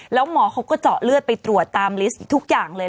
แล้วหมอเขาก็เจาะเลือดไปตรวจตามลิสต์ทุกอย่างเลย